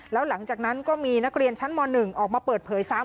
แล้วหลังจากนั้นก็มีนักเรียนชั้นม๑ออกมาเปิดเผยซ้ำ